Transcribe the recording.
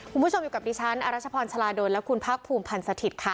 คุณผู้ชมอยู่กับดิฉันอรัชพรชาลาดลและคุณภาคภูมิพันธ์สถิตย์ค่ะ